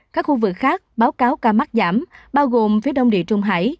các khu vực khác báo cáo ca mắc giảm bao gồm phía đông địa trung hải